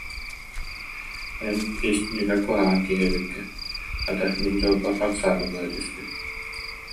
Эн ис дьиҥэ куһаҕан киһи эбиккин, хата, мин дьолбор Оксана быһа түспүт